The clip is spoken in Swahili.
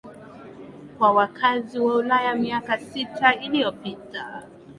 kwa wakazi wa Ulaya miaka sita iliyopita